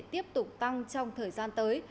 tiếp tục tăng trong thời gian tới